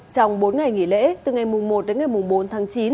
trong bốn ngày nghỉ lễ từ ngày một đến ngày bốn tháng chín